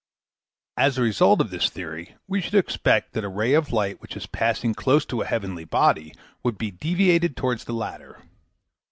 As a result of this theory, we should expect that a ray of light which is passing close to a heavenly body would be deviated towards the latter.